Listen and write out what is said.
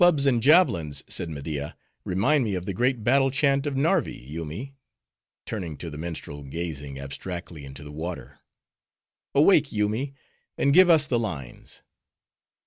"Your clubs and javelins," said Media, "remind me of the great battle chant of Narvi—Yoomy!"—turning to the minstrel, gazing abstractedly into the water;—"awake, Yoomy, and give us the lines."